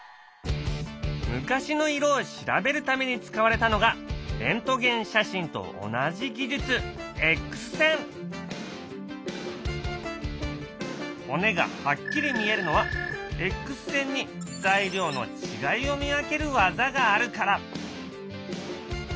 昔の色を調べるために使われたのがレントゲン写真と同じ技術骨がはっきり見えるのはエックス線に材料の違いを見分ける技があるから。